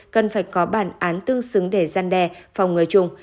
cần phải có bản án tương xứng để gian đe phòng ngừa chung